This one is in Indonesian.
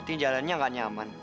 artinya jalannya gak nyaman